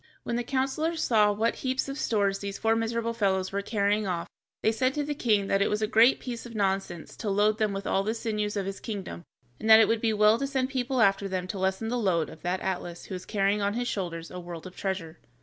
When the counselors saw what heaps of stores these four miserable fellows were carrying off, they said to the king that it was a great piece of nonsense to load them with all the sinews of his kingdom, and that it would be well to send people after them to lessen the load of that Atlas who was carrying on his shoulders a world of treasure.